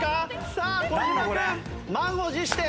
さあ小島君満を持して。